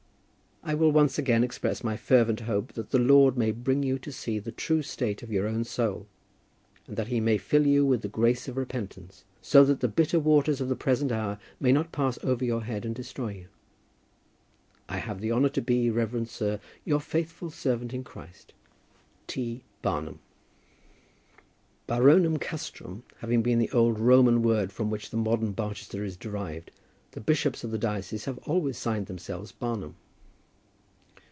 I will once again express my fervent hope that the Lord may bring you to see the true state of your own soul, and that He may fill you with the grace of repentance, so that the bitter waters of the present hour may not pass over your head and destroy you. I have the honour to be, Reverend Sir, Your faithful servant in Christ, T. BARNUM.* *Baronum Castrum having been the old Roman name from which the modern Barchester is derived, the bishops of the diocese have always signed themselves Barnum.